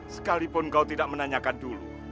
sekalipun kau tidak menanyakan dulu